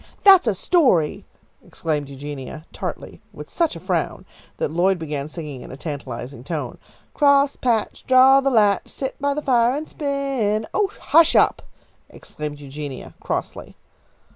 "That's a story!" exclaimed Eugenia, tartly, with such a frown that Lloyd began singing in a tantalising tone, "Crosspatch, draw the latch, sit by the fire and spin." "Oh, hush up!" exclaimed Eugenia, crossly.